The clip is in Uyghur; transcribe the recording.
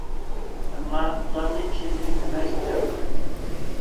ئەمما، ئۇلارنى ئىشەنچلىك ئەمەس دەپ قارىدى.